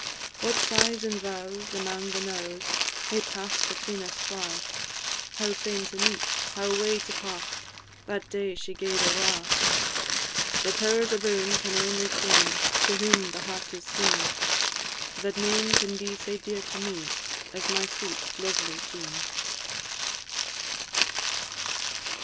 What sighs and vows, amang the knowes, Hae pass'd atween us twa! How fain to meet, how wae to part, That day she gaed awa'! The Powers aboon can only ken, To whom the heart is seen, That nane can be sae dear to me As my sweet, lovely Jean.